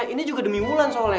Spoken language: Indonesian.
ini juga demi wulan soalnya